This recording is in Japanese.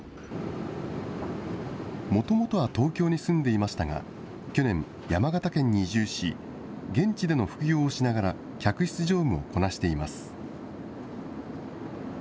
もともとは東京に住んでいましたが、去年、山形県に移住し、現地での副業をしながら、客室乗務をこなしています。